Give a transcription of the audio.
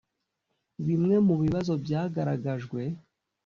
Bimwe mu bibazo byagaragajwe